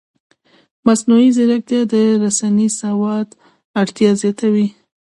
مصنوعي ځیرکتیا د رسنیز سواد اړتیا زیاتوي.